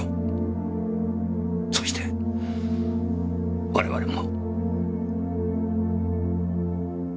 そして我々も。